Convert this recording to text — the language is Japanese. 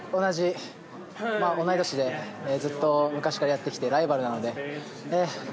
同い年でずっと昔からやってきてライバルなので。